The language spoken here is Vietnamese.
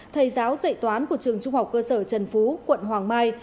thầy giáo dạy toán của trường trung học cơ sở trần phú quận hoàng mai